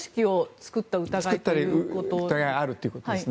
作った疑いがあるということですね。